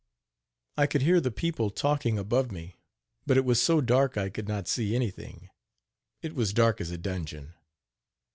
I could hear the people talking above me, but it was so dark I could not see anything it was dark as a dungeon.